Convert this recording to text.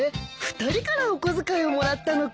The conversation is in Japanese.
２人からお小遣いをもらったのか。